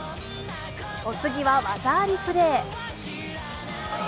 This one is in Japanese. お次は技ありプレー。